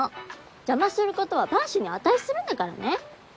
邪魔することは万死に値するんだからね。